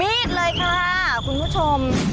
เลยค่ะคุณผู้ชม